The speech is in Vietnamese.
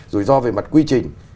rủi ro về mặt quy trình